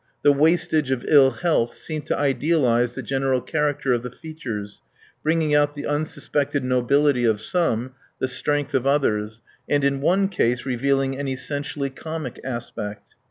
The wastage of ill health seemed to idealise the general character of the features, bringing out the unsuspected nobility of some, the strength of others, and in one case revealing an essentially comic aspect.